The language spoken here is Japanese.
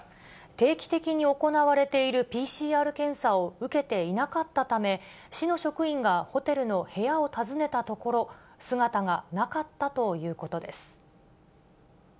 定期的に行われているＰＣＲ検査を受けていなかったため、市の職員がホテルの部屋を訪ねたところ、姿がなかったということです。